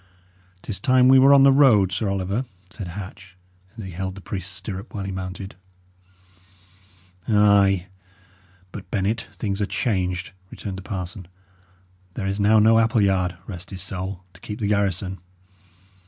"'Tis time we were on the road, Sir Oliver," said Hatch, as he held the priest's stirrup while he mounted. "Ay; but, Bennet, things are changed," returned the parson. "There is now no Appleyard rest his soul! to keep the garrison.